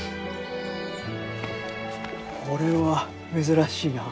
これは珍しいな。